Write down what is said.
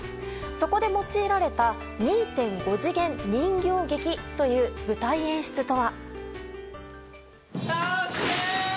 そこで用いられた２．５次元人形劇という舞台演出とは？